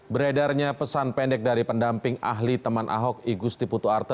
beredarnya pesan pendek dari pendamping ahli teman ahok igusti putu arte